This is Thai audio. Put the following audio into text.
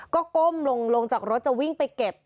ก็ก้มลงจากรถจะวิ่งไปเก็บ